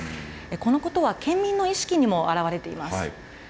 このことは県民の意識にも表れています。